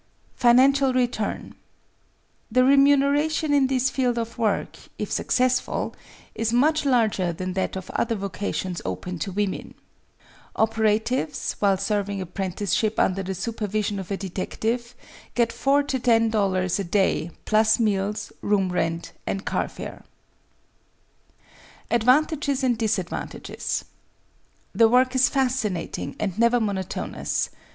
Financial return The remuneration in this field of work, if successful, is much larger than that of other vocations open to women. Operatives, while serving apprenticeship, under the supervision of a detec tive, get $4 to $10 a day plus meals, room rent, and car fare* Advantages and disadvantages The work is fascinating and never monotonous.